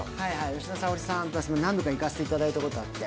吉田沙保里さん、私も何度か行かせていただいたことがあって。